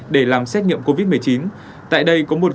để làm xét nghiệm covid một mươi chín